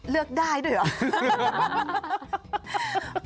เลือกได้ด้วยเหรอ